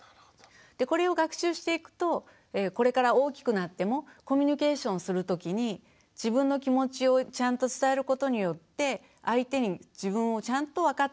これを学習していくとこれから大きくなってもコミュニケーションするときに自分の気持ちをちゃんと伝えることによって相手に自分をちゃんと分かってもらうことができる。